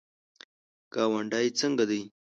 ګاونډی څنګه دی؟